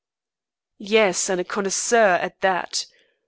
"Yes, and a connoisseur at that.